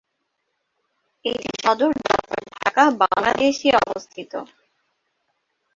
এটির সদর দপ্তর ঢাকা, বাংলাদেশ এ অবস্থিত।